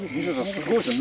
すごいっすね。